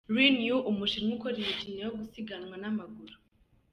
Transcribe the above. Lin Yue, Umushinwa ukora imikino yo gusiganwa n’amaguru.